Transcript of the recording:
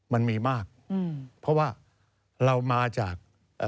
มันมีมากเพราะว่าเรามาจาก